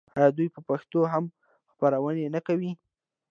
آیا دوی په پښتو هم خپرونې نه کوي؟